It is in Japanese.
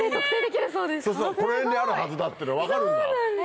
そしたら「この辺にあるはずだ」っての分かるんだ。